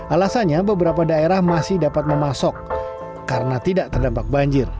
alasannya beberapa daerah masih dapat memasok karena tidak terdampak banjir